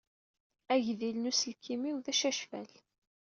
Agdil n uselkim-iw d acacfal.